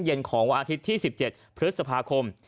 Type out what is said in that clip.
เย็นของวันอาทิตย์ที่๑๗พฤษภาคม